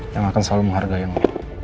yang akan selalu ngehargain lo